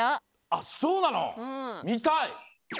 あっそうなの？みたい。